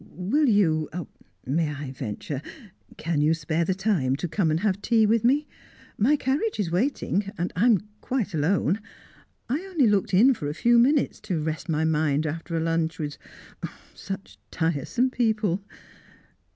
"Will you may I venture can you spare the time to come and have tea with me? My carriage is waiting I am quite alone I only looked in for a few minutes, to rest my mind after a lunch with, oh, such tiresome people!"